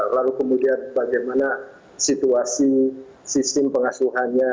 lalu kemudian bagaimana situasi sistem pengasuhannya